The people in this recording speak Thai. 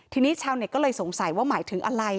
ทีนี้ชาวเน็ตก็เลยสงสัยว่าหมายถึงอะไร